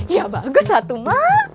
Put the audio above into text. ya bagus satu mak